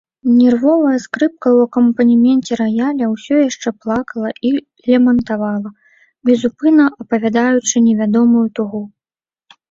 Нервовая скрыпка ў акампанеменце раяля ўсё яшчэ плакала і лямантавала, безупынна апавядаючы невядомую тугу.